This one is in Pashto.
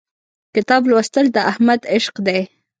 کتاب لوستل د احمد عشق دی.